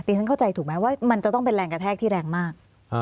ฉันเข้าใจถูกไหมว่ามันจะต้องเป็นแรงกระแทกที่แรงมาก